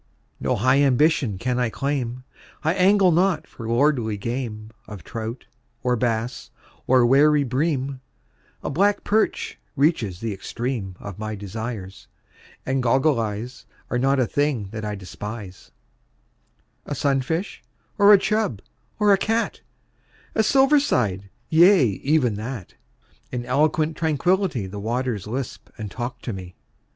No high ambition can I claim I angle not for lordly game Of trout, or bass, or wary bream A black perch reaches the extreme Of my desires; and "goggle eyes" Are not a thing that I despise; A sunfish, or a "chub," or a "cat" A "silver side" yea, even that! In eloquent tranquility The waters lisp and talk to me.